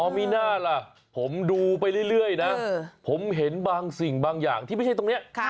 มีน่าล่ะผมดูไปเรื่อยนะผมเห็นบางสิ่งบางอย่างที่ไม่ใช่ตรงนี้